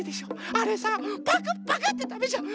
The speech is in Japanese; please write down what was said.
あれさパクパクってたべちゃう！